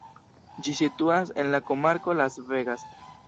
Ĝi situas en la komarko Las Vegas.